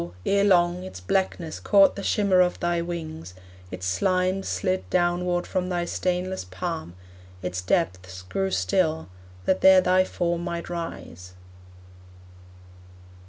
ere long, Its blackness caught the shimmer of thy wings, Its slimes slid downward from thy stainless palm, Its depths grew still, that there thy form might rise.